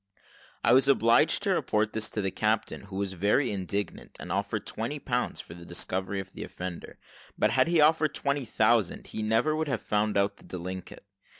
I was obliged to report this to the captain, who was very indignant, and offered twenty pounds for the discovery of the offender; but had he offered twenty thousand he never would have found out the delinquent.